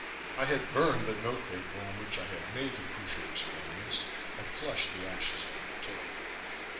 I had burned the note paper on which I had made the crucial experiments and flushed the ashes down the toilet.